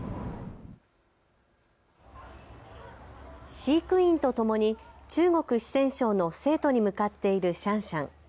飼育員とともに中国・四川省の成都に向かっているシャンシャン。